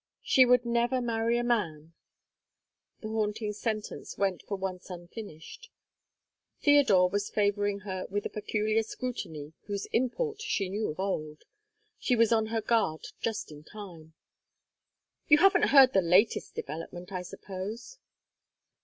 She would never marry a man the haunting sentence went for once unfinished. Theodore was favouring her with a peculiar scrutiny whose import she knew of old. She was on her guard just in time. "You haven't heard the latest development, I suppose?"